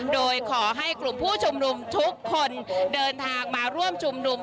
โดยขอให้กลุ่มผู้ชุมนุมทุกคนเดินทางมาร่วมชุมนุม